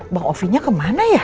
bang ovi nya kemana ya